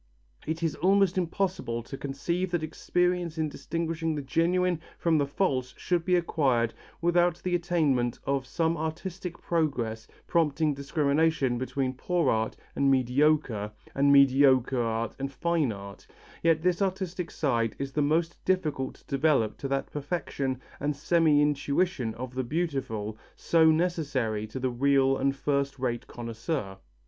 It is almost impossible to conceive that experience in distinguishing the genuine from the false should be acquired without the attainment of some artistic progress prompting discrimination between poor art and mediocre, and mediocre art and fine art, yet this artistic side is the most difficult to develop to that perfection and semi intuition of the beautiful, so necessary to the real and first rate connoisseur.